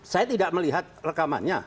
saya tidak melihat rekamannya